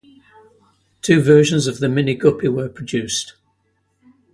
Two versions of the Mini Guppy were produced.